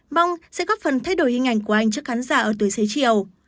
mong sẽ góp phần thay đổi hình ảnh của anh trước khán giả ở tuổi xế chiều